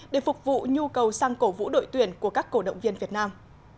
để phục vụ nhu cầu sang cổ vũ đội tuyển của các cổ động viên việt nam